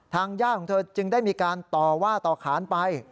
ญาติของเธอจึงได้มีการต่อว่าต่อขานไป